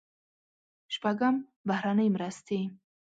شپږم: بهرنۍ مرستې.